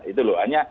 itu loh hanya